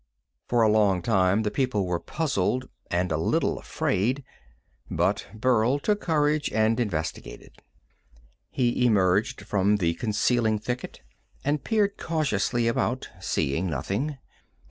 For a long time the people were puzzled and a little afraid, but Burl took courage and investigated. He emerged from the concealing thicket and peered cautiously about, seeing nothing.